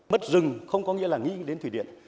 mất rừng không có nghĩa là nghĩ đến thủy điện